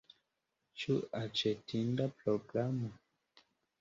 Ĉu aĉetinda programo?